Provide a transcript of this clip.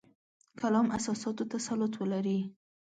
کلام اساساتو تسلط ولري.